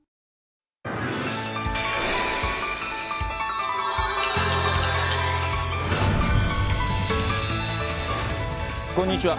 お札、こんにちは。